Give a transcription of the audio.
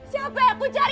siapa yang aku cari